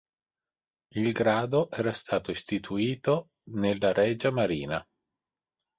Il grado era stato istituito nella Regia Marina.